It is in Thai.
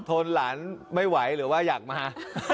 ทนหลานไม่ไหวหรือว่าอยากมา